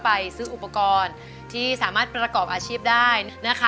ไปซื้ออุปกรณ์ที่สามารถประกอบอาชีพได้นะคะ